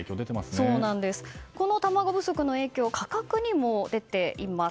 この卵不足の影響価格にも出ています。